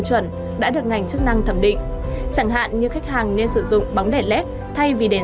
chuẩn đã được ngành chức năng thẩm định chẳng hạn như khách hàng nên sử dụng bóng đèn led thay vì đèn